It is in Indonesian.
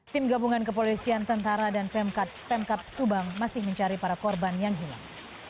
tim gabungan kepolisian tentara dan pemkap subang masih mencari para korban yang hilang